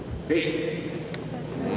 お願いします。